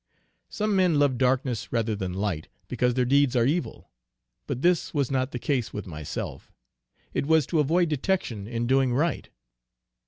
Some men love darkness rather than light, because their deeds are evil; but this was not the case with myself; it was to avoid detection in doing right.